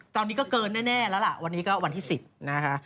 ตอนนี้ก็เกินแน่แล้วล่ะวันที่๑๐นะฮะ